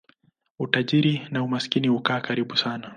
Utajiri na umaskini hukaa karibu sana.